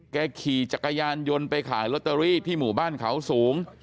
ขี่จักรยานยนต์ไปขายลอตเตอรี่ที่หมู่บ้านเขาสูง